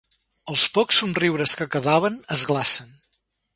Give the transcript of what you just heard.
Els pocs somriures que quedaven es glacen.